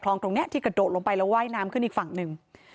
ตรงนี้ที่กระโดดลงไปแล้วว่ายน้ำขึ้นอีกฝั่งหนึ่ง